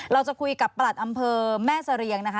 เราจะคุยกับประหลัดอำเภอแม่เสรียงนะคะ